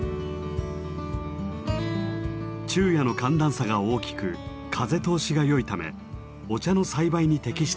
昼夜の寒暖差が大きく風通しがよいためお茶の栽培に適しています。